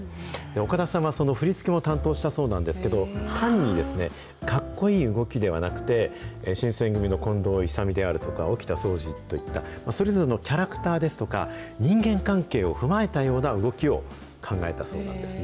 岡田さんは、その振り付けも担当したそうなんですけど、単にかっこいい動きではなくて、新選組の近藤勇であるとか、沖田総司といった、それぞれのキャラクターですとか、人間関係を踏まえたような動きを考えたそうなんですね。